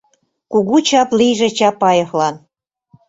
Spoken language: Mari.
Кугу чап лийже Чапаевлан!